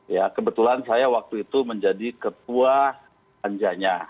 ya kebetulan saya waktu itu menjadi ketua panjanya